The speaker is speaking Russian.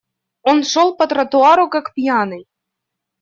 Он шел по тротуару как пьяный.